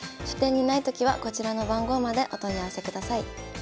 書店にないときはこちらの番号までお問い合わせください。